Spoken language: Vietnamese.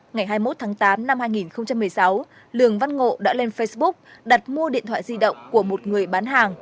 ngày hai mươi một tháng tám năm hai nghìn một mươi sáu lường văn ngộ đã lên facebook đặt mua điện thoại di động của một người bán hàng